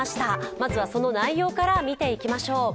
まずはその内容から見ていきましょう。